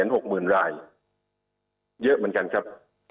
เยอะเหมือนกันครับ